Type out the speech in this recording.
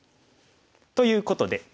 ということで。